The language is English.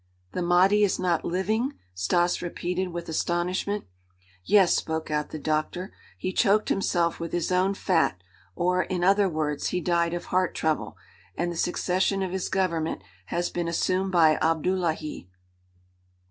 "The Mahdi is not living?" Stas repeated with astonishment. "Yes," spoke out the doctor. "He choked himself with his own fat, or, in other words, he died of heart trouble, and the succession of his government has been assumed by Abdullahi."